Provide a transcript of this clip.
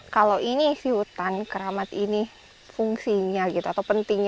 kalau ini si hutan keramat ini fungsinya gitu atau penting